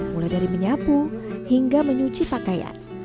mulai dari menyapu hingga menyuci pakaian